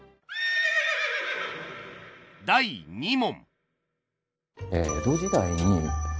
第２問